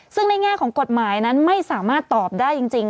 ซึ่งในแง่ของกฎหมายนั้นไม่สามารถตอบได้จริง